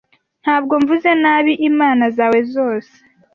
ntabwo mvuze nabi imana zawe zose